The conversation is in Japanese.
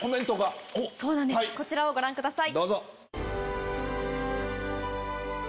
こちらをご覧ください。